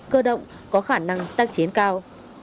cơ động có khả năng tác chiến cao